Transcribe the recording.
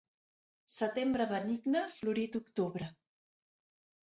Setembre benigne, florit octubre.